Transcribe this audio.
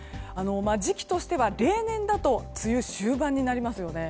時期としては例年だと梅雨終盤になりますよね。